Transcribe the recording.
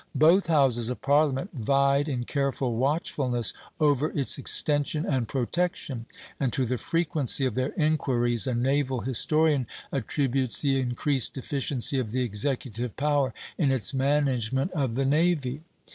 Both houses of Parliament vied in careful watchfulness over its extension and protection, and to the frequency of their inquiries a naval historian attributes the increased efficiency of the executive power in its management of the navy.